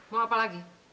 mau apa lagi